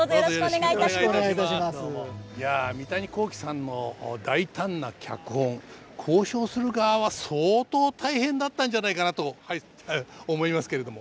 いや三谷幸喜さんの大胆な脚本考証する側は相当大変だったんじゃないかなと思いますけれども。